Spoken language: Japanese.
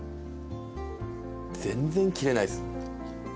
全然切れないっす。